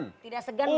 tidak segan mencapai